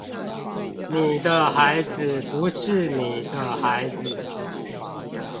你的孩子不是你的孩子